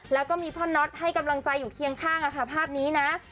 แล้วก็มีพ่อน็อตให้กำลังใจอยู่เคียงข้างภาพนี้นะ